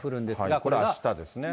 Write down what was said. これあしたですね。